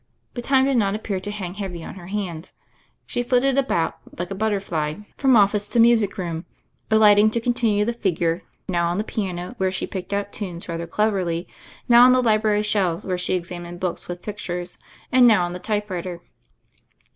But time did not appear to hang heavf nn her hands. She flitted about, like a butterhjry 144 THE FAIRY OF THE SNOWS from office to music room, alighting, to con tinue the figure, now on the piano, where she {)icked out tunes rather cleverly, now on the ibrary shelves, where she examined books with pictures, and now on the typewriter.